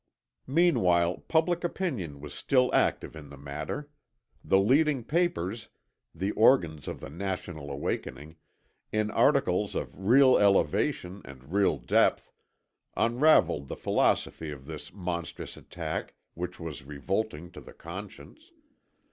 Meanwhile public opinion was still active in the matter; the leading papers, the organs of the national awakening, in articles of real elevation and real depth, unravelled the philosophy of this monstrous attack which was revolting to the conscience.